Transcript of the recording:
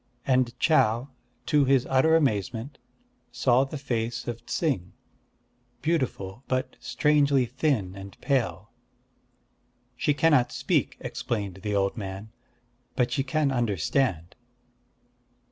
And Chau, to his utter amazement, saw the face of Ts'ing, beautiful, but strangely thin and pale. "She cannot speak," explained the old man; "but she can understand."